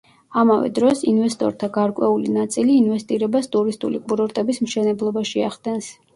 ამავე დროს, ინვესტორთა გარკვეული ნაწილი ინვესტირებას ტურისტული კურორტების მშენებლობაში ახდენს.